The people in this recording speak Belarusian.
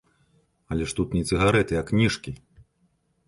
Але ж тут не цыгарэты, а кніжкі!